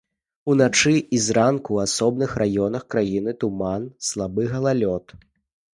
Уначы і зранку ў асобных раёнах краіны туман, слабы галалёд.